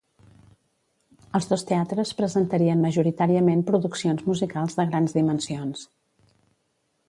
Els dos teatres presentarien majoritàriament produccions musicals de grans dimensions.